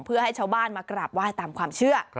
เพื่อให้ชาวบ้านมากราบไหว้ตามความเชื่อ